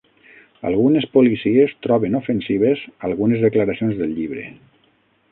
Algunes policies troben ofensives algunes declaracions del llibre